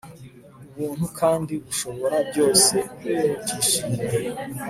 Ubuntu kandi bushobora byose ntukishime